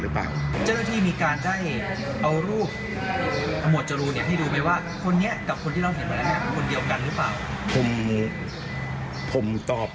เรามีการดีขอไหมครับ